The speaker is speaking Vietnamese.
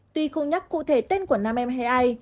tuy không nhắc cụ thể tên của nam em hay ai